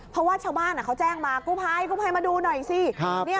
เพราะว่าชาวบ้านเขาแจ้งมากู้ภัยกู้ภัยมาดูหน่อยสิ